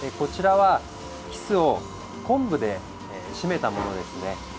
キスを昆布で締めたものですね。